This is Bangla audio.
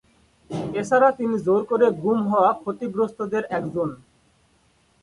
এছাড়া তিনি জোর করে গুম হওয়া ক্ষতিগ্রস্তদের একজন।